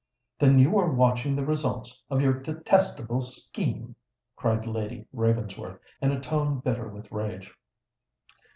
"Then you were watching the results of your detestable scheme," cried Lady Ravensworth, in a tone bitter with rage.